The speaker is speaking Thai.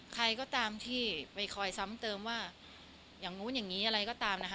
ใครก็ตามที่ไปคอยซ้ำเติมว่าอย่างนู้นอย่างนี้อะไรก็ตามนะคะ